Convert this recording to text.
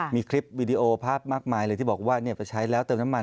มีคลิปวิดีโอภาพมากมายเลยที่บอกว่าไปใช้แล้วเติมน้ำมัน